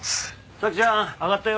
沙希ちゃん上がったよ。